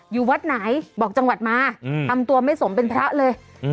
อยู่วัดไหนบอกจังหวัดมาทำตัวไม่สมเป็นพระเลย